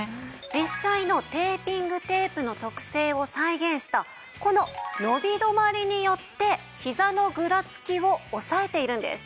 実際のテーピングテープの特性を再現したこの伸び止まりによってひざのぐらつきを押さえているんです。